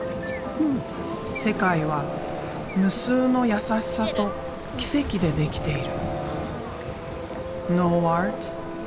世界は無数の優しさと奇跡でできている。